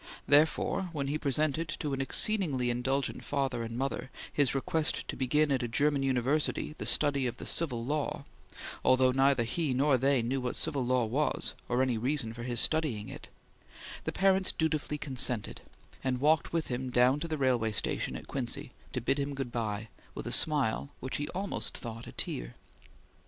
Therefore, when he presented to an exceedingly indulgent father and mother his request to begin at a German university the study of the Civil Law although neither he nor they knew what the Civil Law was, or any reason for his studying it the parents dutifully consented, and walked with him down to the railway station at Quincy to bid him good bye, with a smile which he almost thought a tear.